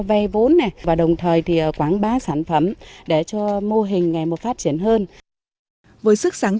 vay vốn này và đồng thời thì quảng bá sản phẩm để cho mô hình ngày một phát triển hơn với sức sáng